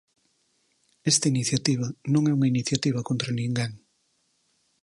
Esta iniciativa non é unha iniciativa contra ninguén.